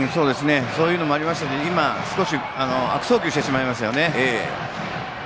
そういうのもありましたので今、少し悪送球してしまいましたよね。